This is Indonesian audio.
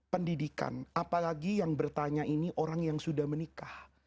pendidikan apalagi yang bertanya ini orang yang sudah menikah